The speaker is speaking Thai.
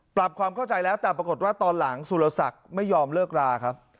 ปรับความเข้าใจแล้วแต่ปรากฏว่าตอนหลังสุรศักดิ์ไม่ยอมเลิกลาครับ